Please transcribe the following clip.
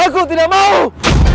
aku tidak mau seperti ini kakak